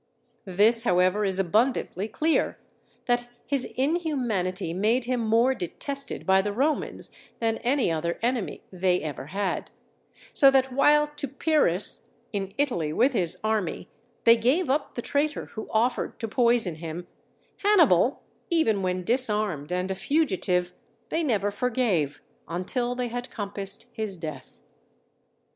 This, however, is abundantly clear, that his inhumanity made him more detested by the Romans than any other enemy they ever had; so that while to Pyrrhus, in Italy with his army, they gave up the traitor who offered to poison him, Hannibal, even when disarmed and a fugitive, they never forgave, until they had compassed his death.